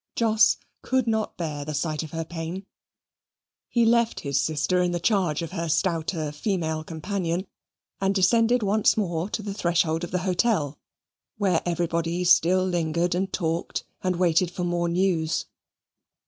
Jos could not bear the sight of her pain. He left his sister in the charge of her stouter female companion, and descended once more to the threshold of the hotel, where everybody still lingered, and talked, and waited for more news.